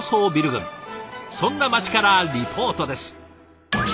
そんな街からリポートです。